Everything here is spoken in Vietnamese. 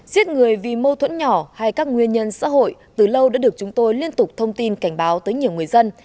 giết người vì mâu thuẫn nhỏ hay các nguyên nhân xã hội từ lâu đã được chúng tôi liên tục thông tin cảnh báo tới nhiều người dân